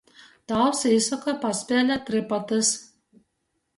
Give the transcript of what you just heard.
Tāvs īsoka paspielēt „trypatys”.